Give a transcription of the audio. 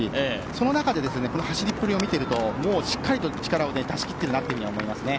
その中でこの走りっぷりを見ているともう、しっかり力を出し切っていると思いますね。